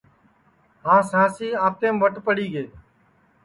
ہانٚس ہانٚسی آنٚتینٚم وٹ پڑی گے